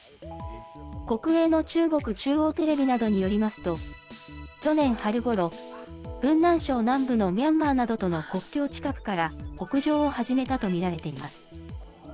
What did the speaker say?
国営の中国中央テレビなどによりますと、去年春ごろ、雲南省南部のミャンマーなどとの国境近くから北上を始めたと見られています。